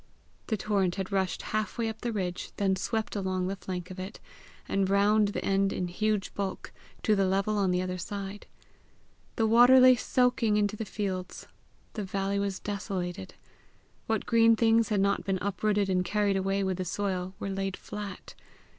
The torrent had rushed half way up the ridge, then swept along the flank of it, and round the end in huge bulk, to the level on the other side. The water lay soaking into the fields. The valley was desolated. What green things had not been uprooted or carried away with the soil, were laid flat.